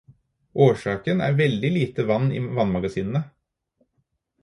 Årsaken er veldig lite vann i vannmagasinene.